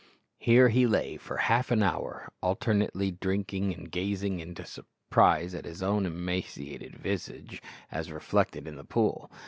Here he lay for half an hour, alternately drinking and gazing in surprise at his own emaciated visage as reflected in the pool.